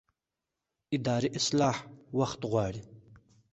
اداري اصلاح وخت غواړي